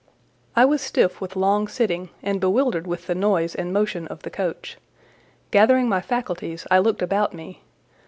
I was stiff with long sitting, and bewildered with the noise and motion of the coach: gathering my faculties, I looked about me.